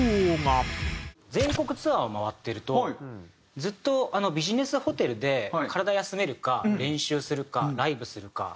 全国ツアーを回っているとずっとビジネスホテルで体休めるか練習するかライブするか。